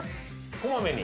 小まめに？